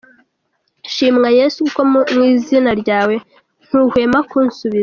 Shimwa Yesu kuko mu izina ryawe, ntuhwema kunsubiza.